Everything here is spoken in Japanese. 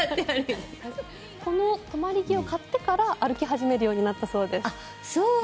この止まり木を買ってから歩き始めるようになったそうです。